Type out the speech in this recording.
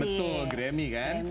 betul grammy kan